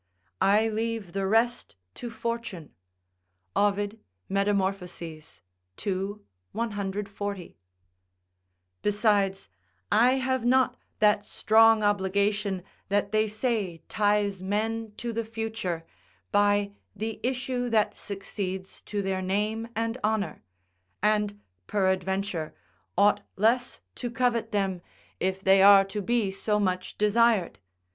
["I leave the rest to fortune." Ovid, Metam., ii. 140.] Besides, I have not that strong obligation that they say ties men to the future, by the issue that succeeds to their name and honour; and peradventure, ought less to covet them, if they are to be so much desired.